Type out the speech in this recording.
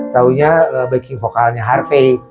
taunya backing vocalnya harvey